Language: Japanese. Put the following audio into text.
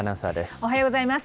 おはようございます。